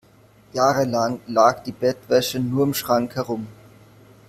Jahrelang lag die Bettwäsche nur im Schrank herum.